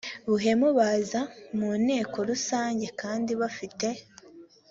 buhemu baza mu nteko rusange kandi bafite